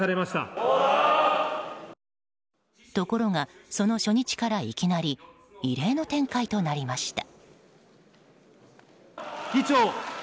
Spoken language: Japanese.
ところがその初日からいきなり異例の展開となりました。